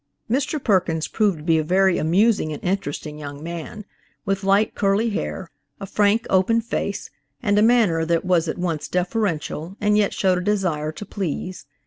Mr. Perkins proved to be a very amusing and interesting young man, with light, curly hair, a frank, open face, and a manner that was at once deferential and yet showed a desire to please.